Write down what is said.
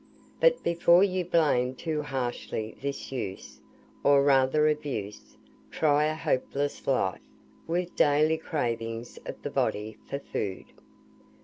But before you blame too harshly this use, or rather abuse, try a hopeless life, with daily cravings of the body for food.